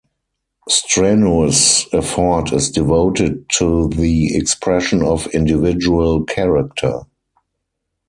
Strenuous effort is devoted to the expression of individual character.